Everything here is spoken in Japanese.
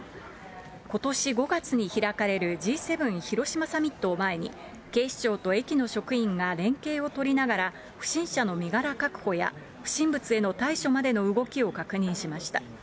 ことし５月に開かれるＧ７広島サミットを前に、警視庁と駅の職員が連携を取りながら、不審者の身柄確保や、不審物への対処までの動きを確認しました。